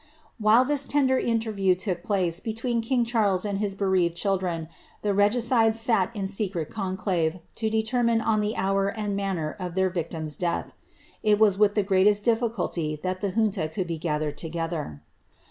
While this tender interview took place between king Charles am bereaved children, the regicides sat in secret conclave, to detennii the hour and manner of their victim^s death. It was with the gra difficulty that the junta could be gathered together.